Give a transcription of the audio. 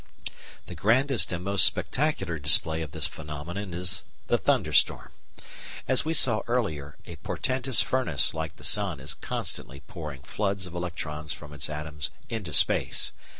The grandest and most spectacular display of this phenomenon is the thunderstorm. As we saw earlier, a portentous furnace like the sun is constantly pouring floods of electrons from its atoms into space.